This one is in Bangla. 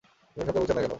সোজাসাপ্টা বলছেন না কেন?